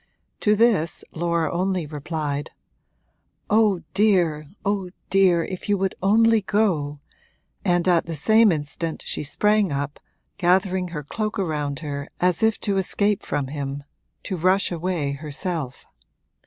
To this Laura only replied: 'Oh dear, oh dear, if you would only go!' and at the same instant she sprang up, gathering her cloak around her as if to escape from him, to rush away herself.